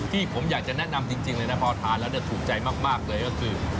ที่ผมอยากจะแนะนำจริงเลยนะพอทานแล้วถูกใจมากเลยก็คือ